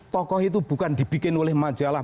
tokoh itu bukan dibikin oleh majalah